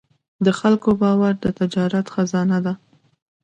د خلکو باور د تجارت خزانه ده.